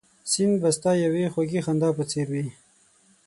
سیند به ستا یوې خوږې خندا په څېر وي